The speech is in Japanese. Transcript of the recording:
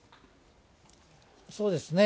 そうですね。